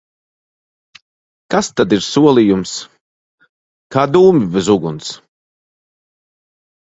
Kas tad ir solījums? Kā dūmi bez uguns!